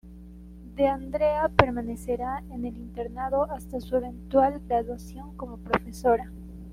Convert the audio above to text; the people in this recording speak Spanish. D'Andrea permanecería en el internado hasta su eventual graduación como profesora.